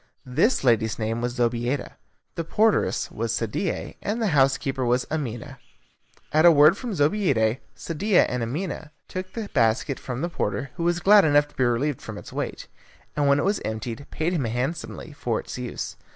This lady's name was Zobeida, the porteress was Sadie, and the housekeeper was Amina. At a word from Zobeida, Sadie and Amina took the basket from the porter, who was glad enough to be relieved from its weight; and when it was emptied, paid him handsomely for its use.